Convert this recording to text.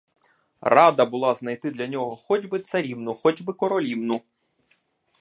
Рада була знайти для нього хоч би царівну, хоч би королівну.